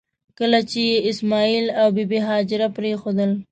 کله چې یې اسماعیل او بي بي هاجره پرېښودل.